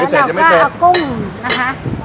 นี่แล้วก็กุ้งนะคะ